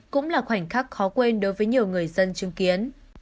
cũng là khoảnh khắc khó quên đối với nhiều người dân chứng kiến